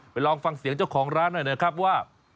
ลองฟังเสียงเจ้าของร้านหน่อยนะครับว่า